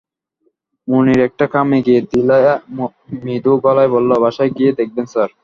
মুনির একটা খাম এগিয়ে দিলা মৃদু গলায় বলল, বাসায় গিয়ে দেখবেন স্যার।